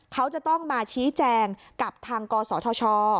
เขาจะต้องมาชี้แจงกับทางกศธช